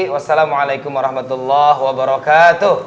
wassalamualaikum warahmatullah wabarakatuh